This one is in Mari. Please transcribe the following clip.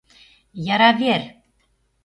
Яра вер!